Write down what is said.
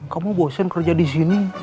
kamu bosen kerja di sini